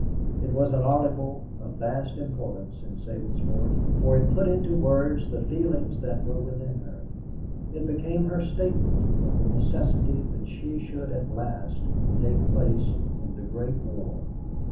It was an article of vast importance in Sabinsport, for it put into words the feelings that were within her. It became her statement of the necessity that she should at last take part in the Great War.